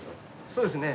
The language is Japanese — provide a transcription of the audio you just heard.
そうですね。